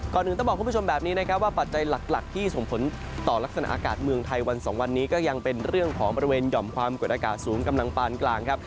อื่นต้องบอกคุณผู้ชมแบบนี้นะครับว่าปัจจัยหลักที่ส่งผลต่อลักษณะอากาศเมืองไทยวัน๒วันนี้ก็ยังเป็นเรื่องของบริเวณหย่อมความกดอากาศสูงกำลังปานกลางครับ